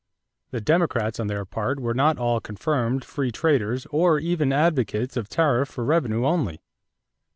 The Democrats on their part were not all confirmed free traders or even advocates of tariff for revenue only.